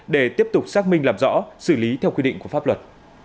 để tiếp tục xác minh làm rõ xử lý theo quy định của pháp luật